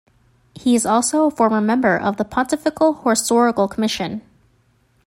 He is also a former member of the Pontifical Historical Commission.